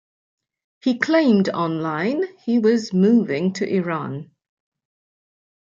He claimed online he was moving to Iran.